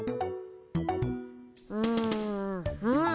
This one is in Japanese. うんうん。